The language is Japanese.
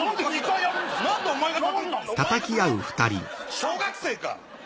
小学生か！